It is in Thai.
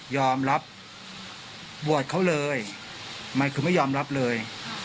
ยอมรับบวชเขาเลยไม่คือไม่ยอมรับเลย